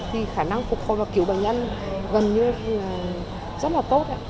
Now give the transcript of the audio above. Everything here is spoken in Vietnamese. thì khả năng phục hồi và cứu bệnh nhân gần như rất là tốt